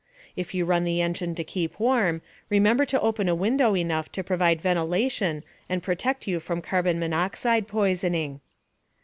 If you run the engine to keep warm, remember to open a window enough to provide ventilation and protect you from carbon monoxide poisoning.